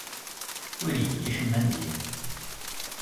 Ur igi acemma n diri.